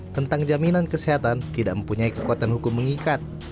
tentang jaminan kesehatan tidak mempunyai kekuatan hukum mengikat